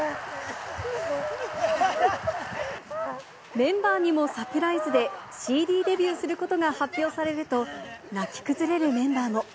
メンバーにもサプライズで、ＣＤデビューすることが発表されると、泣き崩れるメンバーも。